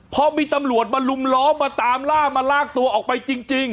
เพราะมีตำรวจมาลุมล้อมมาตามล่ามาลากตัวออกไปจริง